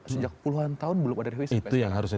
sejak puluhan tahun belum ada revisi itu yang harusnya